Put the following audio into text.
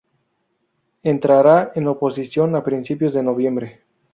Entrará en oposición a principios de noviembre.